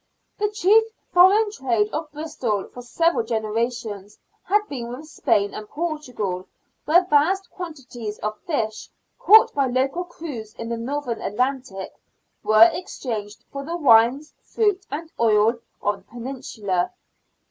The chief foreign trade of Bristol for several generations had been with Spain and Portugal, where vast quantities of fish, caught by local crews in the Northern Atlantic, were exchanged for the wines, fruit, and oil of the peninsula.